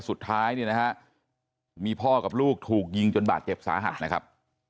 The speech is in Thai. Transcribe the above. สุดท้ายเนี่ยนะฮะมีพ่อกับลูกถูกยิงจนบาดเจ็บสาหัสนะครับ